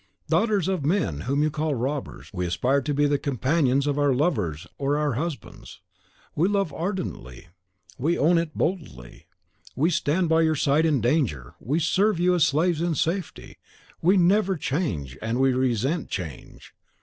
Daughters of men whom you call robbers, we aspire to be the companions of our lovers or our husbands. We love ardently; we own it boldly. We stand by your side in danger; we serve you as slaves in safety: we never change, and we resent change.